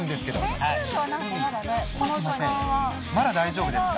先週よりはまだなんか、まだ大丈夫ですか？